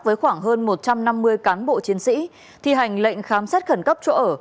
với khoảng hơn một trăm năm mươi cán bộ chiến sĩ thi hành lệnh khám xét khẩn cấp chỗ ở